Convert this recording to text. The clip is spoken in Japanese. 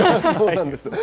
そうなんです。